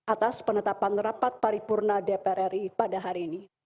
atas penetapan rapat paripurna dpr ri pada hari ini